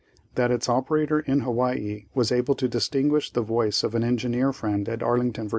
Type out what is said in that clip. That its operator in Hawaii was able to distinguish the voice of an engineer friend at Arlington, Va.